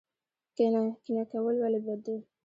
کینه کول ولې بد دي؟